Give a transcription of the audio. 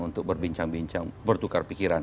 untuk berbincang bincang bertukar pikiran